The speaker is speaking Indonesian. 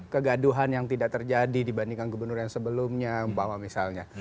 kegaduhan yang tidak terjadi dibandingkan gubernur yang sebelumnya umpama misalnya